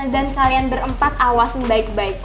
dan kalian berempat awasin baik baik